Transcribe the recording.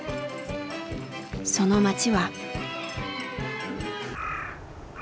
その町は。